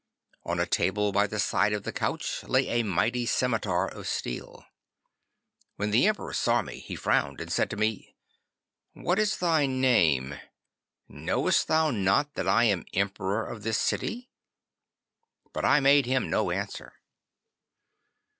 On a table by the side of the couch lay a mighty scimitar of steel. 'When the Emperor saw me he frowned, and said to me, "What is thy name? Knowest thou not that I am Emperor of this city?" But I made him no answer.